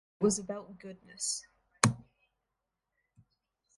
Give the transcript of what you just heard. It was about goodness.